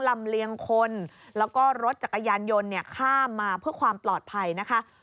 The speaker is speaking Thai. ลำเลียงคนแล้วก็รถจักรยานยนต์ข้ามมาเพื่อความปลอดภัยนะคะ